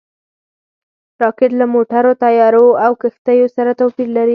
راکټ له موټرو، طیارو او کښتیو سره توپیر لري